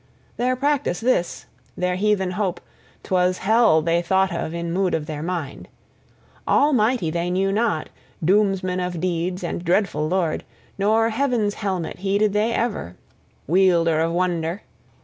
Their practice this, their heathen hope; 'twas Hell they thought of in mood of their mind. Almighty they knew not, Doomsman of Deeds and dreadful Lord, nor Heaven's Helmet heeded they ever, Wielder of Wonder.